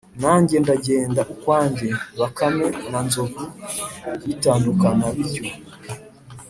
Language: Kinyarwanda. nanjye ndagenda ukwanjye.’bakame na nzovu bitandukana bityo.